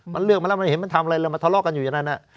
มันเลือกมาแล้วมันเห็นมันทำอะไรเลยมันทะเลาะกันอยู่อย่างนั้น